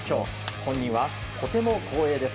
本人は、とても光栄です。